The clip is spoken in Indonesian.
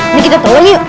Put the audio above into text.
ini kita tolong yuk